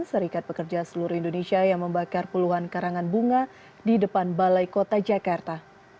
serikat pekerja seluruh indonesia yang membakar puluhan karangan bunga di depan balai kota jakarta